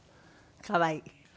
可愛い。